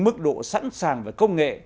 mức độ sẵn sàng về công nghệ